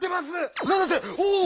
なんだって⁉おお！